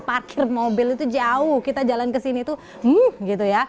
parkir mobil itu jauh kita jalan kesini itu